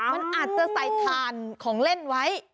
มันอาจจะใส่ถ่านของเล่นไว้